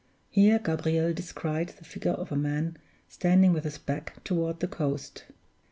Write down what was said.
Here Gabriel descried the figure of a man standing with his back toward the coast.